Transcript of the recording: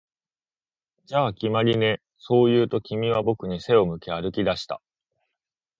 「じゃあ、決まりね」、そう言うと、君は僕に背を向け歩き出した